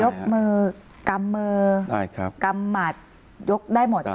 ยกมือกำมือกำหมัดยกได้หมด